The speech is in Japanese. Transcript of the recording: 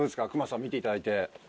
隈さん見ていただいて。